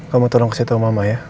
kamu tolong kasih tau mama ya